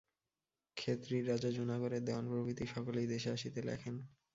খেতড়ির রাজা, জুনাগড়ের দেওয়ান প্রভৃতি সকলেই দেশে আসিতে লেখেন।